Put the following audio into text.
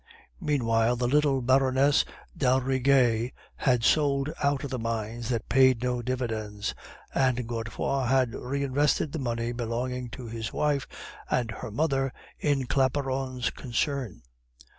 "Meanwhile the little Baroness d'Aldrigger had sold out of the mines that paid no dividends, and Godefroid had reinvested the money belonging to his wife and her mother in Claparon's concern.